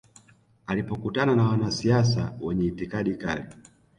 Alipokutana na wanasiasa wenye itikadi kali